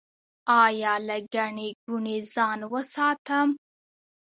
ایا له ګڼې ګوڼې ځان وساتم؟